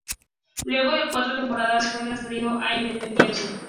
Luego de cuatro temporadas fue transferido a Independiente.